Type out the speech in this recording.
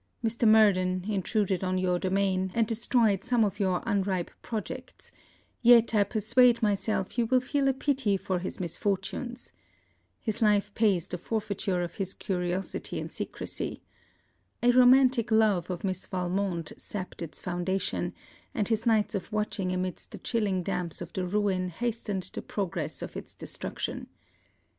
Mr. Murden intruded on your domain, and destroyed some of your unripe projects; yet I persuade myself you will feel a pity for his misfortunes. His life pays the forfeiture of his curiosity and secresy. A romantic love of Miss Valmont sapped its foundation, and his nights of watching amidst the chilling damps of the Ruin hastened the progress of its destruction.